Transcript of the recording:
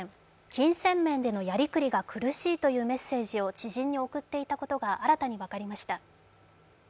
金銭面でのやりくりが苦しいというメッセージを知人に送っていたことが新たに分かりました。